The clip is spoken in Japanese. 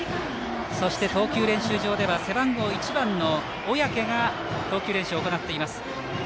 そして投球練習場では背番号１番の小宅が投球練習を行っています。